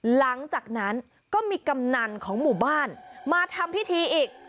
หลังจากนั้นก็มีกำนันของหมู่บ้านมาทำพิธีอีก